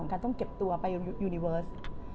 การต้องเก็บตัวไปยูนิเวิร์ส